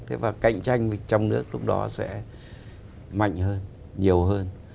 thế và cạnh tranh trong nước lúc đó sẽ mạnh hơn nhiều hơn